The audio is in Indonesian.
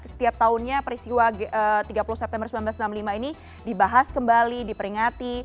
setiap tahunnya peristiwa tiga puluh september seribu sembilan ratus enam puluh lima ini dibahas kembali diperingati